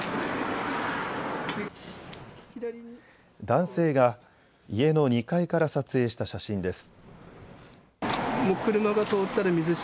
男性が家の２階から撮影した写真です。